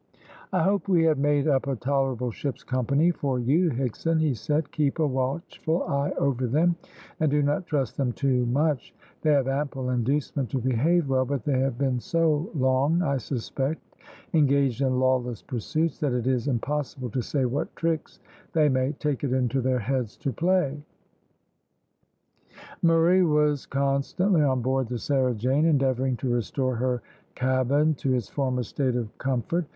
"I hope we have made up a tolerable ship's company for you, Higson," he said; "keep a watchful eye over them, and do not trust them too much; they have ample inducement to behave well, but they have been so long, I suspect, engaged in lawless pursuits, that it is impossible to say what tricks they may take it into their heads to play." Murray was constantly on board the Sarah Jane, endeavouring to restore her cabin to its former state of comfort.